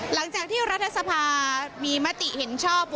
หลังจากที่รัฐสภามีมติเห็นชอบ